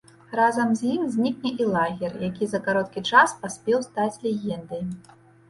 Разам з ім знікне і лагер, які за кароткі час паспеў стаць легендай.